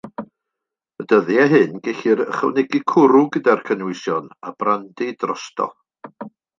Y dyddiau hyn gellir ychwanegu cwrw gyda'r cynhwysion, a brandi drosto.